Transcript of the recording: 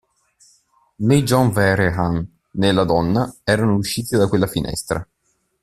Né John Vehrehan, né la donna erano usciti da quella finestra.